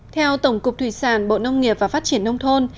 theo tổng cục thủy sản bộ nông nghiệp và phát triển nông thôn